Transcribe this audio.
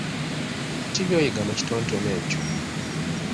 Bintu ki by’oyiga mu kitontome ekyo?